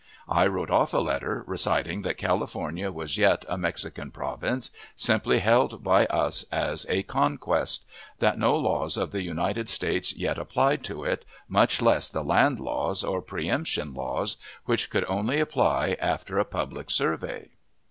I wrote off a letter, reciting that California was yet a Mexican province, simply held by us as a conquest; that no laws of the United States yet applied to it, much less the land laws or preemption laws, which could only apply after a public survey.